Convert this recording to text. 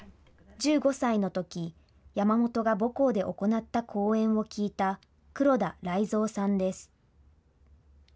１５歳のとき、山本が母校で行った講演を聞いた黒田らい三さんです。